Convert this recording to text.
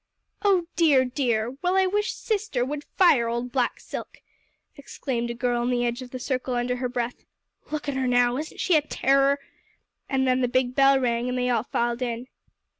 "Oh dear, dear! Well, I wish 'sister' would fire old black silk," exclaimed a girl on the edge of the circle under her breath. "Look at her now. Isn't she a terror!" and then the big bell rang, and they all filed in.